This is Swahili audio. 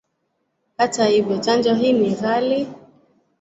Hata hivyo, chanjo hii ni ghali.